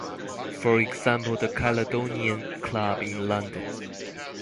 For example the Caledonian Club in London.